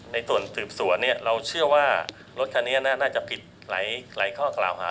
ในส่วนสืบสวนเราเชื่อว่ารถคันนี้น่าจะผิดหลายข้อกล่าวหา